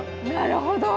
なるほど。